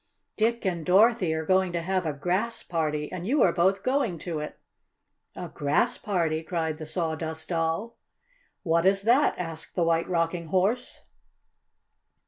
"Dick and Dorothy are going to have a Grass Party, and you are both going to it!" "A Grass Party!" cried the Sawdust "What is that?" asked the White Rocking Horse.